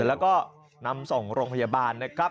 แล้วก็นำส่งโรงพยาบาลนะครับ